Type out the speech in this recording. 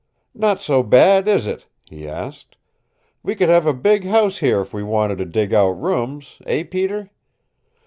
"Not so bad, is it?" he asked. "We could have a big house here if we wanted to dig out rooms eh, Peter?